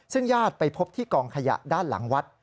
ซึ่งญาติไปพบที่กองขยะด้านหลังวัด